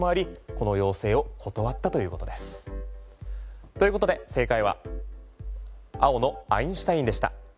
この要請を断ったということです。ということで正解は青のアインシュタインでした。